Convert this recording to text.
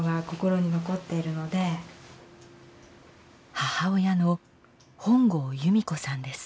母親の本郷由美子さんです。